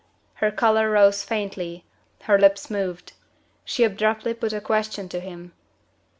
Her color rose faintly, her lips moved. She abruptly put a question to him.